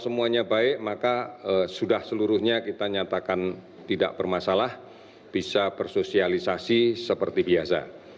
semuanya baik maka sudah seluruhnya kita nyatakan tidak bermasalah bisa bersosialisasi seperti biasa